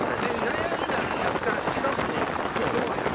悩んだんやったら近くで行こうや。